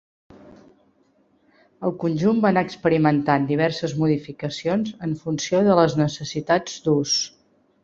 El conjunt va anar experimentant diverses modificacions en funció de les necessitats d'ús.